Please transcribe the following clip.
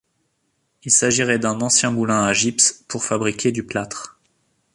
Il s'agirait d'un ancien moulin à gypse pour fabriquer du plâtre.